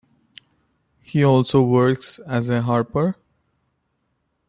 He also works as a Harper.